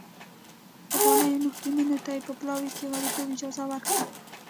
پخوانیو محکومینو ته یې په پلاوي کې غړیتوب اجازه ورکړه.